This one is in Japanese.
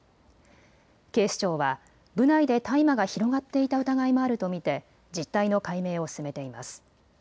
警視庁は部内で大麻が広がっていた疑いもあると見て実態の解明を進めています。